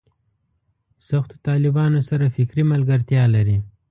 سختو طالبانو سره فکري ملګرتیا لري.